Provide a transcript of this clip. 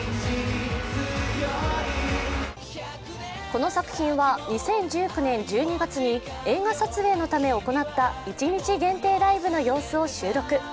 この作品は２０１９年１２月に映画撮影のため行った一日限定ライブの様子を収録。